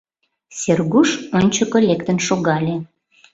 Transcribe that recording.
— Сергуш ончыко лектын шогале.